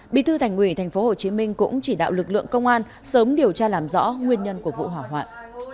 bí thư thành ủy tp hcm cũng chỉ đạo lực lượng công an sớm điều tra làm rõ nguyên nhân của vụ hỏa hoạn